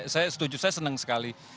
saya setuju saya senang sekali